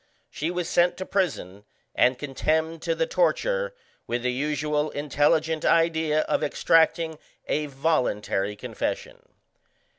She was sent to prison, and condemned to the torture, with the usual intelligent idea of extracting a "voluntary" confession.